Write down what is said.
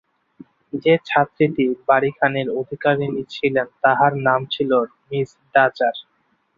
যে ছাত্রীটি বাড়ীখানির অধিকারিণী ছিলেন, তাঁহার নাম ছিল মিস ডাচার।